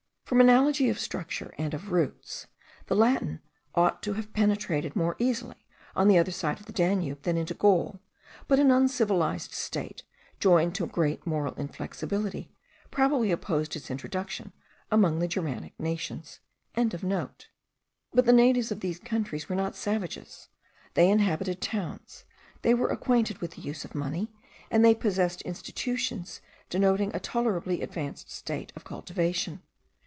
From analogy of structure and of roots, the Latin ought to have penetrated more easily on the other side of the Danube, than into Gaul; but an uncultivated state, joined to great moral inflexibility, probably opposed its introduction among the Germanic nations.) But the natives of these countries were not savages; they inhabited towns; they were acquainted with the use of money; and they possessed institutions denoting a tolerably advanced state of cultivation.